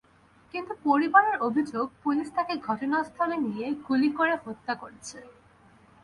কিন্তু পরিবারের অভিযোগ, পুলিশ তাঁকে ঘটনাস্থলে নিয়ে গুলি করে হত্যা করেছে।